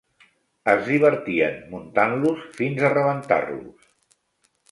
Es divertien muntant-los fins a rebentar-los.